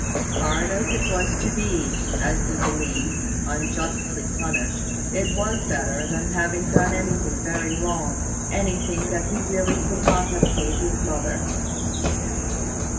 Hard as it was to be, as he believed, unjustly punished, it was better than having done anything very wrong anything that he really could not have told his mother.